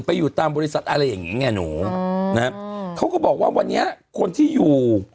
ไปอยู่ตามบริษัทอะไรอย่างงี้ไงหนูอืมนะฮะเขาก็บอกว่าวันนี้คนที่อยู่